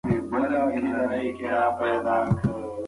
ماشوم د ونې څانګې ته ټوپ واهه ترڅو خپله قد ورسره اندازه کړي.